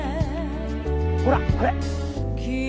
ほらこれ。